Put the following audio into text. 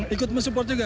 ikut mensupport juga